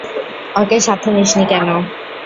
ওকে সাথে নিসনি কেন?